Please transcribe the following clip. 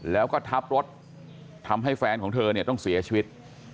แล้วก็ทับรถทำให้แฟนของเธอเนี่ยต้องเสียชีวิต